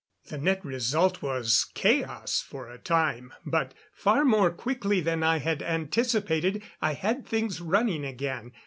The net result was chaos for a time, but, far more quickly than I had anticipated, I had things running again.